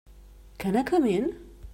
Can I come in?